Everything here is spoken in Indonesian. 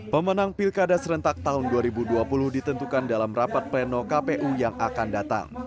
pemenang pilkada serentak tahun dua ribu dua puluh ditentukan dalam rapat pleno kpu yang akan datang